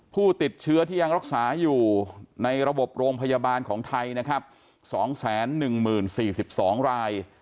ผู้ติดเชื้อที่ยังรักษาอยู่ในระบบโรงพยาบาลของไทยนะครับ๒๑๐๔๒ราย